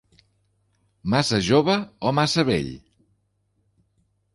Massa jove o massa vell?